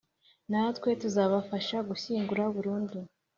natwe tuzabafasha gushyingura burundu